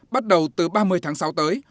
bắt đầu từ ba mươi tháng sáu tới